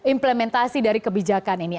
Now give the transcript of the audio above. implementasi dari kebijakan ini